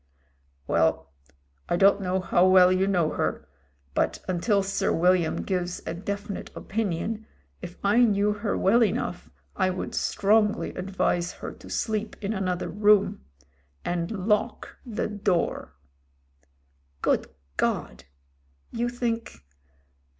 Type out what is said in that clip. "Well, I don't know how well you know her; but until Sir William gives a definite opinion, if I knew her well enough, I would strongly advise her to sleep in another room — and lock the door!' "Good God ! you think